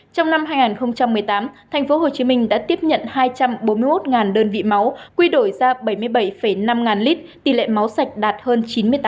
trong năm hai nghìn một mươi tám tp hcm đã tiếp nhận hai trăm bốn mươi một đơn vị máu quy đổi ra bảy mươi bảy năm lít tỷ lệ máu sạch đạt hơn chín mươi tám